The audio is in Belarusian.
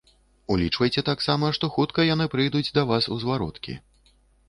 Улічвайце таксама, што хутка яны прыйдуць да вас у звароткі.